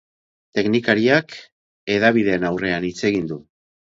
Teknikariak hedabideen aurrean hitz egin du.